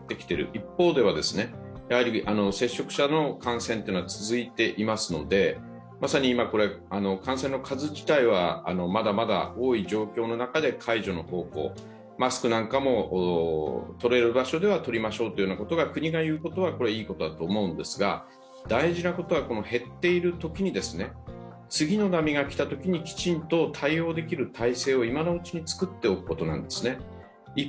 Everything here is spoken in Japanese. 一方で接触者の感染というのは続いていますのでまさに今、感染の数自体はまだまだ多い状況の中で解除の方向、マスクなんかも取れる場所では取りましょうということを国が言うことはいいことだと思うんですが、大事なことは、減っているときに次の波が来たときにきちんと対応できる体制を今のうちに作っておくことなんですね。